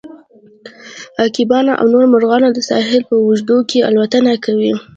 عقابونه او نور مرغان د ساحل په اوږدو کې الوتنه کوي